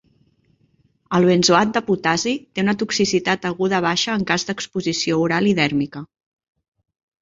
El benzoat de potassi té una toxicitat aguda baixa en cas d'exposició oral i dèrmica.